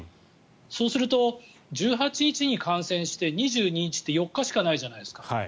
そうすると１８日に感染して２２日って４日しかないじゃないですか。